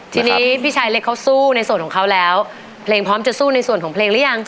ทีนี้พี่ชายเล็กเขาสู้ในส่วนของเขาแล้วเพลงพร้อมจะสู้ในส่วนของเพลงหรือยัง